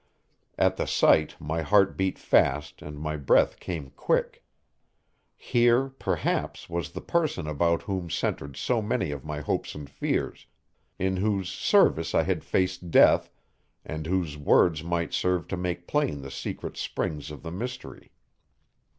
At the sight my heart beat fast and my breath came quick. Here, perhaps, was the person about whom centered so many of my hopes and fears, in whose service I had faced death, and whose words might serve to make plain the secret springs of the mystery.